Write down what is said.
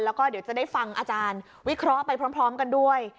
แล้วก็เดี๋ยวจะได้ฟังอาจารย์วิเคราะห์ไปพร้อมกันด้วย